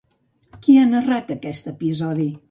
Qui ha narrat aquest episodi?